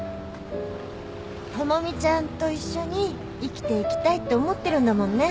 知美ちゃんと一緒に生きていきたいって思ってるんだもんね？